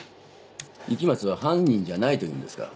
雪松は犯人じゃないというんですか？